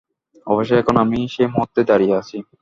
অবশেষে এখন আমি সেই মুহূর্তে দাঁড়িয়ে আছি।